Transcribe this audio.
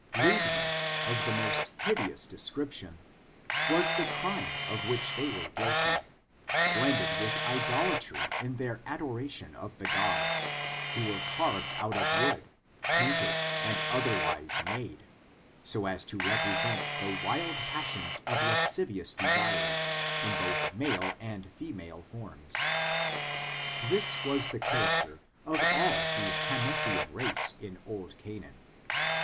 ^^«^«^k^k^k^fe^i#N#^^^^ 178 ORIGIN, CHARACTER, AND Lewdness, of the most hideous description, was the crime of which they were guilty, blended with idolatry in their adoration of the gods, who were carved out of wood, painted, and otherwise made, so as to represent the wild passions of lascivious desires, in both male and female forms. This was the char acter of all the Hamethian race in old Canaan.